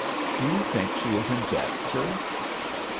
"Do you think she is in debt, sir?"